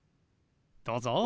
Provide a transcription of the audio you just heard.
どうぞ。